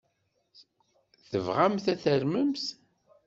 Tebɣamt ad tarmemt?